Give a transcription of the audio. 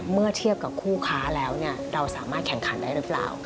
เมื่อเทียบกับคู่ค้าแล้วเราสามารถแข่งขันได้หรือเปล่า